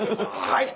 「はい！」。